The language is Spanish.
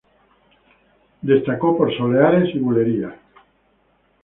Destacó por soleares y bulerías.